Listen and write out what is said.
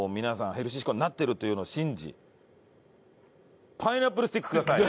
ヘルシー志向になってるというのを信じパイナップルスティックください。